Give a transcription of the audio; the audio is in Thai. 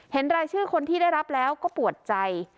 รายชื่อคนที่ได้รับแล้วก็ปวดใจ